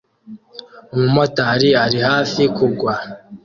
Umumotari ari hafi kugwa